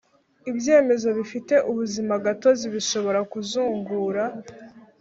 Ibyemezo bifite ubuzimagatozi bishobora kuzungura